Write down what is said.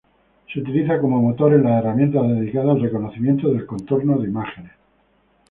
Se utiliza como motor en las herramientas dedicadas al reconocimiento del contorno de imágenes.